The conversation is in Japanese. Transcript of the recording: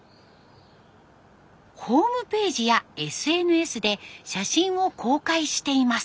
ホームページやＳＮＳで写真を公開しています。